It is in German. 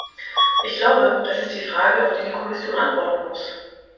Ich glaube, das ist die Frage, auf die die Kommission antworten muss.